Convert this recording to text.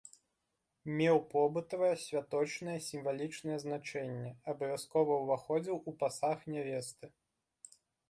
Меў побытавае, святочнае, сімвалічнае значэнне, абавязкова ўваходзіў у пасаг нявесты.